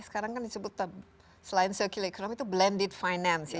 sekarang kan disebut selain circular economy itu blended finance ya